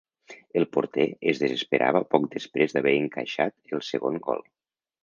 El porter es desesperava poc després d’haver encaixat el segon gol.